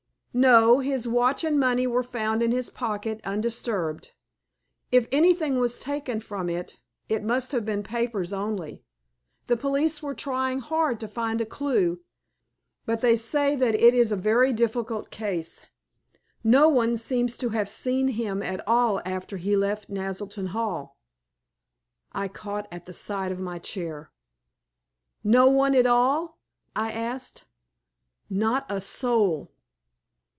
"No. His watch and money were found in his pocket undisturbed. If anything was taken from it it must have been papers only. The police are trying hard to find a clue, but they say that it is a very difficult case. No one seems to have seen him at all after he left Naselton Hall." I caught at the side of my chair. "No one at all?" I asked. "Not a soul."